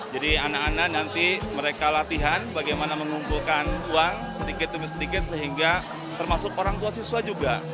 jadi anak anak nanti mereka latihan bagaimana mengumpulkan uang sedikit demi sedikit sehingga termasuk orang tua siswa juga